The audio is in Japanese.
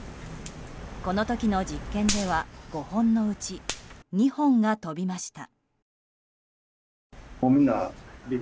この時の実験では５本のうち、２本が飛びました。